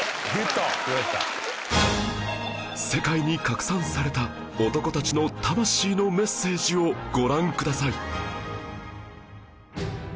世界に拡散された男たちの魂のメッセージをご覧ください